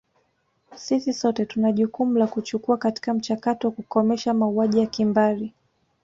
Sisi sote tuna jukumu la kuchukua katika mchakato wa kukomesha mauaji ya kimbari